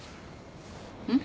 うん？